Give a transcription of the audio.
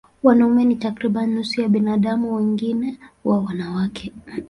Wanaume ni takriban nusu ya binadamu, wengine huwa wanawake.